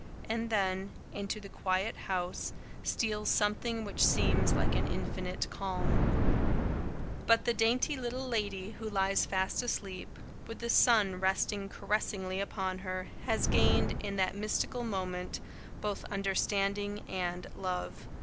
And then, into the quiet house, steals something which seems like an infinite calm. [Sidenote: The Exquisite Peace] But the dainty little lady who lies fast asleep, with the sun resting caressingly upon her, has gained, in that mystical moment, both understanding and love.